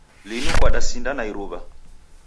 Linu kwadasinda na iruwa